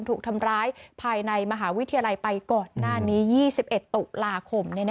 ถูกทำร้ายภายในมหาวิทยาลัยไปก่อนหน้านี้๒๑ตุลาคม